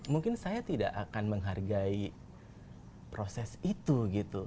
mungkin saya tidak akan menghargai proses itu gitu